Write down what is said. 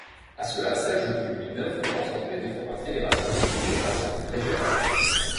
À cela s'ajoute une lutte d'influence entre les différentes fédérations et sous-fédérations régionales.